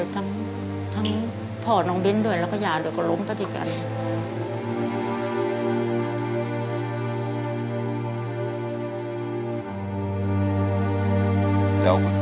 มีการทำช่วยสมุดหรือไม่